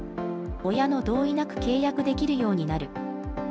親の同意なく契約できるようになる。